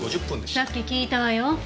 さっき聞いたわよ。